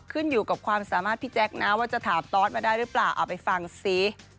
ขึ้นอยู่กับความสามารถพี่แจ๊คนะว่าจะถามตอสมาได้หรือเปล่าเอาไปฟังซิ